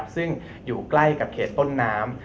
ซึ่งอยู่ใกล้กับเขตต้นน้ำ